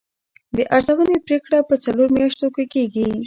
د ارزونې پریکړه په څلورو میاشتو کې کیږي.